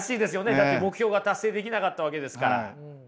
だって目標が達成できなかったわけですから。